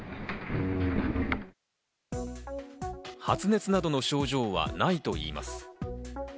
発熱などの症状はないといいます。